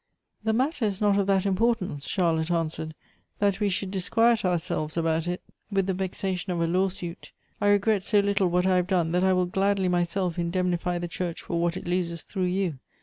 "The matter is not of that importance," Charlotte answered, " that we should disquiet ourselves about it Elective Affinities. 157 ■with the vexation of a law suit. I regret so little what I have done, that I will gladly myself indemnify the church for what it loses through you.